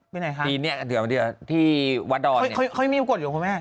ไปไหนคะที่วัดดอนเนี่ยค่อยมีอุปกรณ์อยู่หรือครับคุณแม่